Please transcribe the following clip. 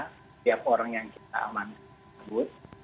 setiap orang yang kita amankan tersebut